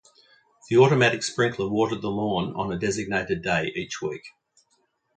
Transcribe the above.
The automatic sprinkler watered the lawn on a designated day each week.